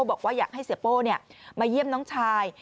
บอกว่าอยากให้เสียโป้มาเยี่ยมน้องชาย